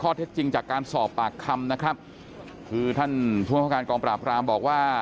เท็จจริงจากการสอบปากคำนะครับคือท่านผู้ประการกองปราบรามบอกว่า